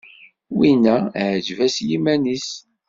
Winna iεǧeb-as yiman-is!